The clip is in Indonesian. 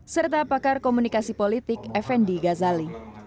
serta pakar komunikasi politik fnd gazali